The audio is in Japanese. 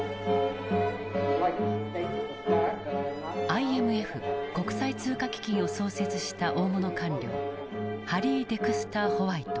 ＩＭＦ国際通貨基金を創設した大物官僚ハリー・デクスター・ホワイト。